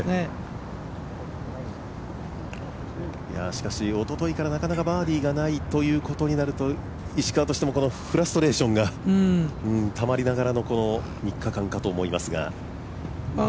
しかし、おとといからなかなかバーディーがないということになると、石川としてもフラストレーションがたまりながらのこの３日間かと思いますが。